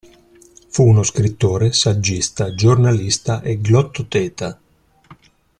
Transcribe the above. Fu uno scrittore, saggista, giornalista e glottoteta.